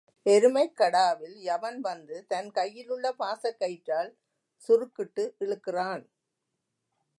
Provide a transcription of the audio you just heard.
எருமைக் கடாவில் யமன் வந்து, தன் கையிலுள்ள பாசக் கயிற்றால் சுருக்கிட்டு இழுக்கிறான்.